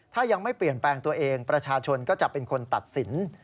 ถ้ายังไม่เปลี่ยนแปลงตัวเองประชาชนก็จะเป็นคนตัดสิน